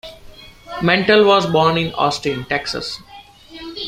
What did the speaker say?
Mentell was born in Austin, Texas.